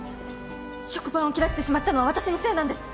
食パンを切らしてしまったのは私のせいなんです！